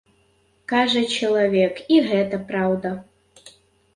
Кажа чалавек, і гэта праўда.